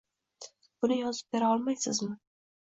Buni yozib bera olmaysizmi?